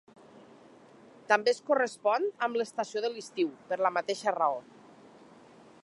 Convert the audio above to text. També es correspon amb l'estació de l'estiu per la mateixa raó.